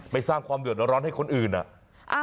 สร้างความเดือดร้อนให้คนอื่นอ่ะ